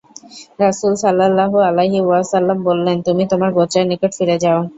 রাসূল সাল্লাল্লাহু আলাইহি ওয়াসাল্লাম বললেন, তুমি তোমার গোত্রের নিকট ফিরে যাও।